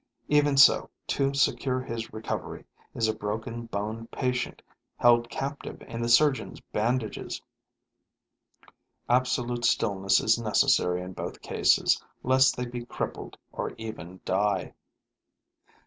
Even so, to secure his recovery, is a broken boned patient held captive in the surgeon's bandages. Absolute stillness is necessary in both cases, lest they be crippled or even die.